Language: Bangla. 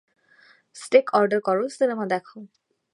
স্টেক অর্ডার করো, সিনেমা দেখো।